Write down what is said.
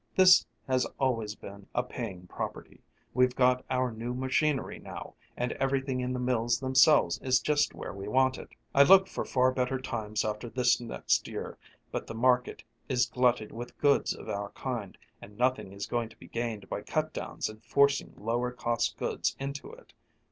This has always been a paying property; we've got our new machinery now, and everything in the mills themselves is just where we want it. I look for far better times after this next year, but the market is glutted with goods of our kind, and nothing is going to be gained by cut downs and forcing lower cost goods into it.